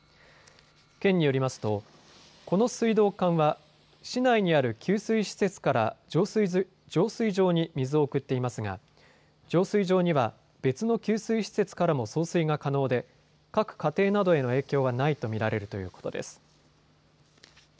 県によりますとこの水道管は市内にある給水施設から浄水場に水を送っていますが浄水場には別の給水施設からも送水が可能で各家庭などへの影響はないと見られるということです。